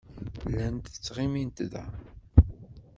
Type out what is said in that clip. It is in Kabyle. Llant ttɣimint da.